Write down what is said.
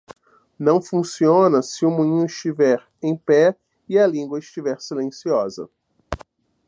Não funciona se o moinho estiver em pé e a língua estiver silenciosa.